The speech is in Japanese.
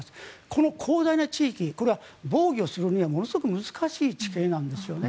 この広大な地域これは防御するにはものすごく難しい地形なんですよね。